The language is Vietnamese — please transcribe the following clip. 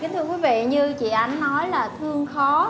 thưa quý vị như chị ánh nói là thương khó